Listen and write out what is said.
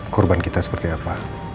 korban kita seperti apa